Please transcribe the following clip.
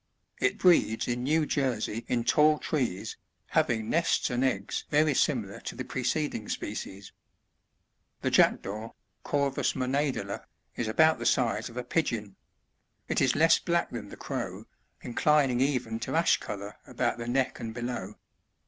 It breeds in New Jersey in tall trees, having nests and eggs very similar to the preceding speciesw] 75. The Jackdaw, — Corvus moHednlat — is about the size of a pigeon ; it is less black than the Crow, inclining even to ash oolour about the neck and below.